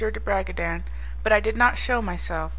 de Bragadin, but I did not shew myself.